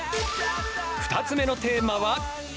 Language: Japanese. ２つ目のテーマは。